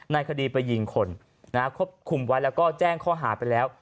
ในคดีไปยิงคนควบคุมไว้แล้วก็แจ้งข้อหาไปแล้ว